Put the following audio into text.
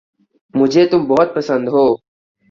مجھے تم بہت پسند ہو